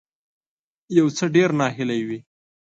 یو څه ډیر ناهیلی وي